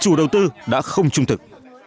cư dân cho rằng chủ đầu tư đã không trung thực